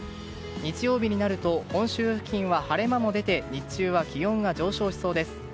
日曜日になると本州付近は晴れ間も出て日中は気温が上昇しそうです。